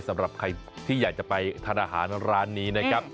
สำหรับใครที่อยากจะไปทานอาหารร้านนี้นะครับ